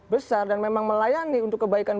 besar dan memang melayani untuk kebaikan